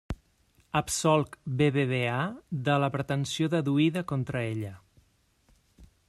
Absolc BBVA de la pretensió deduïda contra ella.